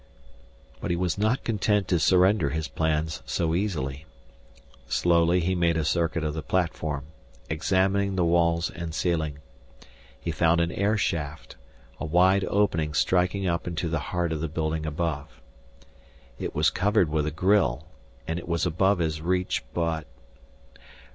But he was not content to surrender his plans so easily. Slowly he made a circuit of the platform, examining the walls and celling. He found an air shaft, a wide opening striking up into the heart of the building above. It was covered with a grille and it was above his reach but....